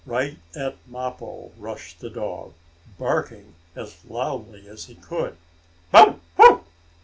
Right at Mappo rushed the dog, barking as loudly as he could: "Bow wow!